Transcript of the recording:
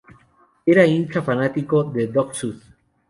Era hincha fanático de Dock Sud.